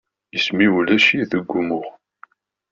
Isem-iw ulac-it deg umuɣ.